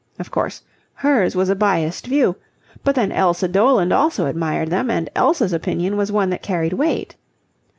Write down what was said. Of course, hers was a biased view, but then Elsa Doland also admired them; and Elsa's opinion was one that carried weight.